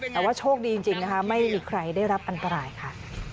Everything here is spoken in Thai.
แต่ว่าโชคดีจริงนะคะไม่มีใครได้รับอันตรายค่ะ